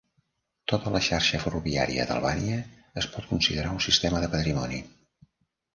Tota la xarxa ferroviària d'Albània es pot considerar un sistema de patrimoni.